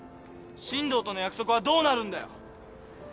進藤との約束はどうなるんだよ。